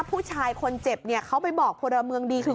ผู้ชายคนเจ็บเนี่ยเขาไปบอกพลเมืองดีคือ